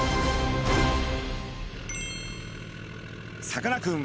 さかなクン